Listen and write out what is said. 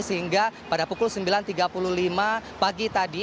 sehingga pada pukul sembilan tiga puluh lima pagi tadi